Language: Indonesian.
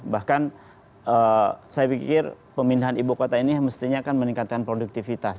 bahkan saya pikir pemindahan ibu kota ini mestinya akan meningkatkan produktivitas